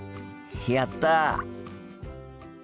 やった。